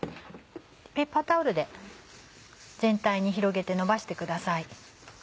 ペーパータオルで全体に広げてのばしてください。